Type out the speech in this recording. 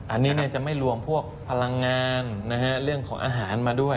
อันนี้จะไม่รวมพวกพลังงานเรื่องของอาหารมาด้วย